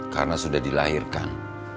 karena sudah dilahirkan